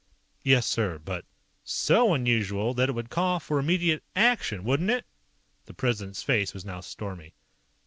"Yes, sir, but " "So unusual that it would call for immediate ACTION, wouldn't it?" The President's face was now stormy.